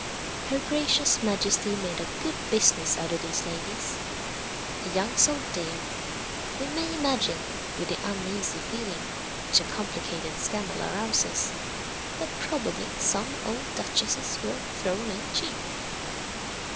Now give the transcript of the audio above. Her Gracious Majesty made a good business out of these ladies. The young sold dear. We may imagine, with the uneasy feeling which a complicated scandal arouses, that probably some old duchesses were thrown in cheap.